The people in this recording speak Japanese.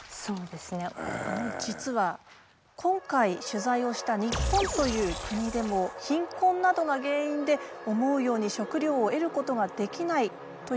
実は今回取材をした日本という国でも貧困などが原因で思うように食料を得ることができないという方々もいるそうなんです。